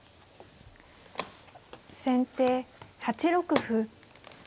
先手８六歩。